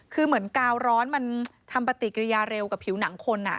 คือเหมือนกาวร้อนมันทำปฏิกิริยาเร็วกับผิวหนังคน